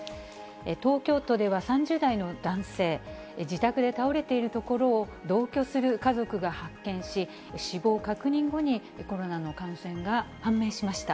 東京都では３０代の男性、自宅で倒れているところを同居する家族が発見し、死亡確認後にコロナの感染が判明しました。